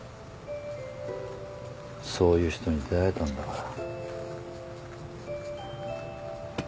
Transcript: そういう人に出会えたんだから。